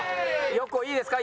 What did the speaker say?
横いいですか？